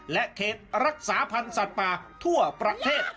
และเขตรักษาพันธ์สัตว์ป่าทั่วประเทศ